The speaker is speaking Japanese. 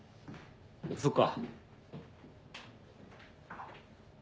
そっか。